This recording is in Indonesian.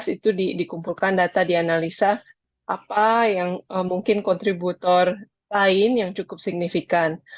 jadi di tahun dua ribu sembilan belas itu dikumpulkan data dianalisa apa yang mungkin kontributor lain yang cukup signifikan